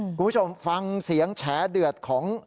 คุณผู้ชมฟังเสียงแฉเดือดของ